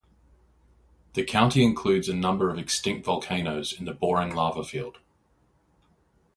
The county includes a number of extinct volcanoes in the Boring Lava Field.